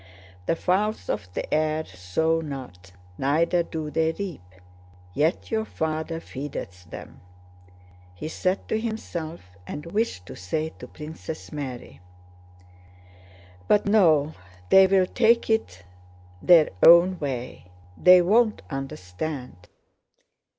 "The fowls of the air sow not, neither do they reap, yet your Father feedeth them," he said to himself and wished to say to Princess Mary; "but no, they will take it their own way, they won't understand!